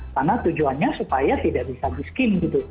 karena tujuannya supaya tidak bisa di skim gitu